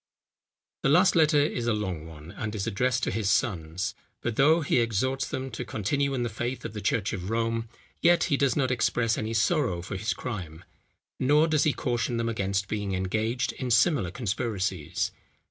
The last letter is a long one, and is addressed to his sons; but though he exhorts them to continue in the faith of the church of Rome, yet he does not express any sorrow for his crime; nor does he caution them against being engaged in similar conspiracies.